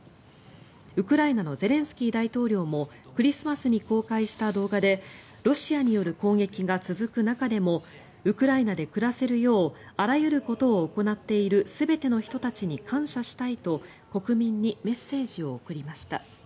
ウクライナのゼレンスキー大統領もクリスマスに公開した動画でロシアによる攻撃が続く中でもウクライナで暮らせるようあらゆることを行っている全ての人たちに感謝したいと国民にメッセージを送りました。